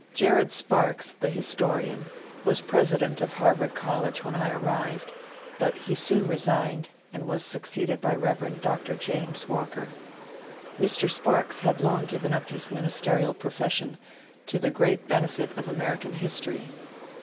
Jared Sparks, the historian, was president of Harvard College when I arrived, but he soon resigned, and was suc ceeded by Rev. Dr. James Walker. Mr. Sparks had long given up his ministerial profession, to the great benefit of American history.